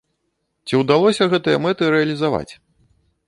Ці ўдалося гэтыя мэты рэалізаваць?